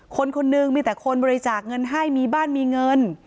คนคนนึงมีแต่คนบริจาคเงินให้มีบ้านมีเงิน